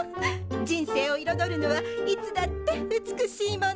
人生をいろどるのはいつだって美しいもの！